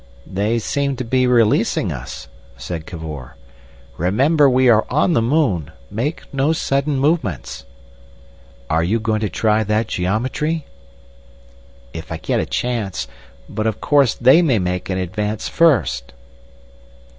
"They seem to be releasing us," said Cavor. "Remember we are on the moon! Make no sudden movements!" "Are you going to try that geometry?" "If I get a chance. But, of course, they may make an advance first."